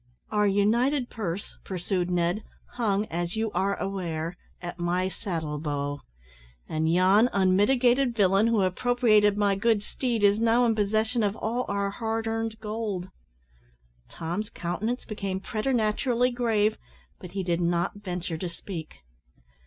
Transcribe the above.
"Our united purse," pursued Ned, "hung, as you are aware, at my saddle bow, and yon unmitigated villain who appropriated my good steed, is now in possession of all our hard earned gold!" Tom's countenance became preternaturally grave, but he did not venture to speak.